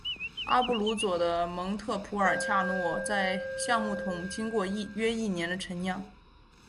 阿布鲁佐的蒙特普尔恰诺在橡木桶经过约一年的陈酿。